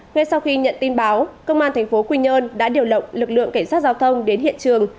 ngay sau khi nhận tin báo công an tp quy nhơn đã điều động lực lượng cảnh sát giao thông đến hiện trường